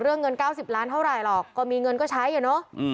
เรื่องเงินเก้าสิบล้านเท่าไหร่หรอกก็มีเงินก็ใช้เนอะอืม